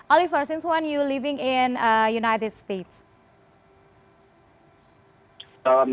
oliver sejak kapan anda hidup di amerika